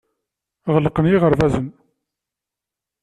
Ɣelqen yiɣerbazen.